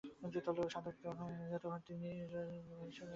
সাধক যখন এই অবস্থা প্রাপ্ত হন, তখন তিনি সগুণ ঈশ্বরের ভাব লাভ করেন।